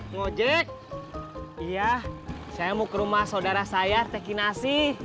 ngojek iya saya mau ke rumah saudara saya teki nasi